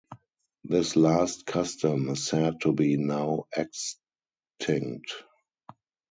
This last custom is said to be now extinct.